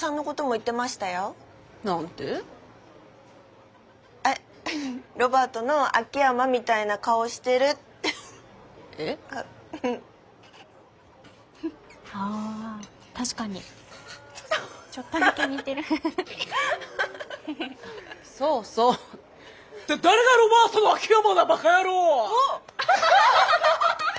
って誰がロバートの秋山だバカ野郎！